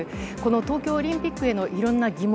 東京オリンピックへのいろんな疑問